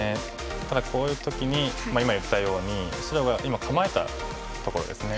ただこういう時に今言ったように白が今構えたところですね。